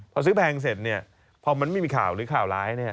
พอซื้อแพงเสร็จเนี่ยพอมันไม่มีข่าวหรือข่าวร้าย